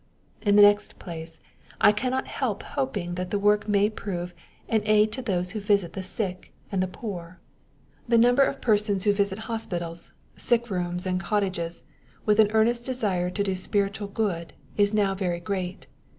In the next place, I cannot help hoping that the work may prove an aid to those who visit the sick and the poor. Wm PREFACE. The number of persons who visit hospitals^ sick ioomSi ftnd cottages^ with an earnest desire to do spiritaal good, is now very great.